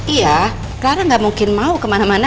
iya karena gak mungkin mau kemana mana